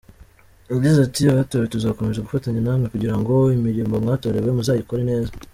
Yagize ati “ Abatowe tuzakomeza gufatanya namwe kugira ngo imirimo mwatorewe muzayikore neza.